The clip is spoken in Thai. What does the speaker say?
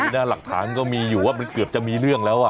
หน้าหลักฐานก็มีอยู่ว่ามันเกือบจะมีเรื่องแล้ว